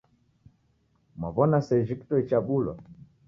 Mwaw'ona sejhi kitoi chabulwa?